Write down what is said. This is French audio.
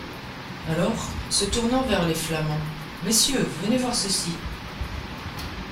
Alors, se tournant vers les flamands :— Messieurs, venez voir ceci.